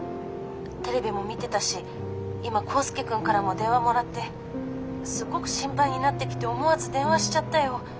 テレビも見てたし今コウスケ君からも電話もらってすっごく心配になってきて思わず電話しちゃったよ。